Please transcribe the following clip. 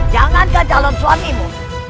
jangan kan calon suamimu